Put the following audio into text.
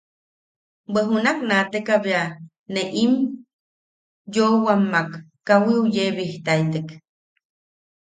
Bwe junak naateka bea ne nim yoʼowammak kawiu yebijtaitek.